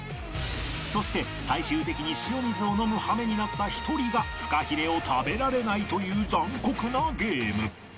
そして最終的に塩水を飲む羽目になった１人がフカヒレを食べられないという残酷なゲーム